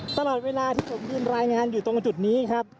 ตลอดเวลาที่ผมยืนรายงานอยู่ตรงจุดนี้ครับ